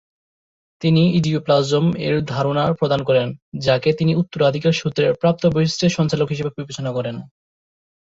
তিনি "ইডিওপ্লাজম"-এর ধারণা প্রদান করেন, যাকে তিনি উত্তরাধিকারসূত্রে প্রাপ্ত বৈশিষ্ট্যের সঞ্চালক হিসেবে বিবেচনা করেন।